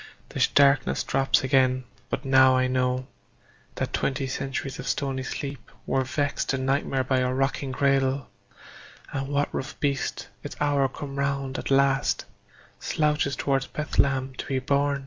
The darkness drops again; but now I know That twenty centuries of stony sleep Were vexed to nightmare by a rocking cradle, And what rough beast, its hour come round at last, Slouches towards Bethlehem to be born?